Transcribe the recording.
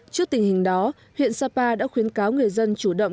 trước tình hình đó huyện sapa đã khuyến cáo người dân chủ động